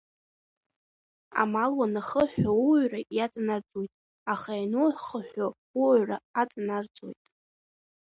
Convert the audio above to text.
Амал уанахыҳәҳәо ууаҩра иаҵанарӡуеит, аха ианухыҳәҳәо ууаҩра аҵанарӡуеит.